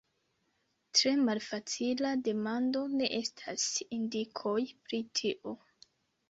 Tre malfacila demando ne estas indikoj pri tio.